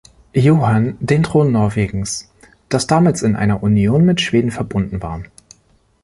Johan den Thron Norwegens, das damals in einer Union mit Schweden verbunden war.